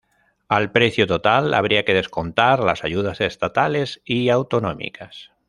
Al precio total habría que descontar las ayudas estatales y autonómicas.